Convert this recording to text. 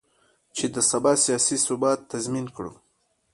چې د سبا سیاسي ثبات تضمین کړو.